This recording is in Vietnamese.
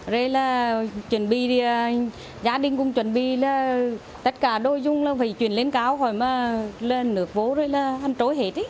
rồi là chuẩn bị gia đình cũng chuẩn bị là tất cả đôi dung phải chuyển lên cáo khỏi mà lên nước vô